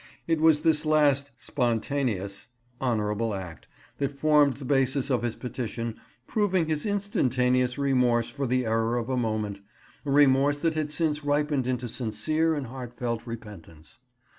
It was this last spontaneous (!) honourable act that formed the basis of his petition, proving his instantaneous remorse for the error of a moment—a remorse that had since ripened into sincere and heartfelt repentance.